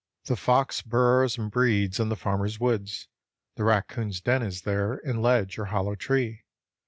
The fox burrows and breeds in the farmer's woods. The raccoon's den is there in ledge or hollow tree.